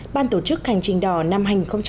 ban tổ chức hành trình đỏ năm hai nghìn một mươi bảy